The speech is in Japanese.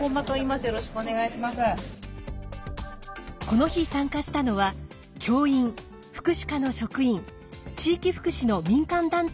この日参加したのは教員福祉課の職員地域福祉の民間団体の人など。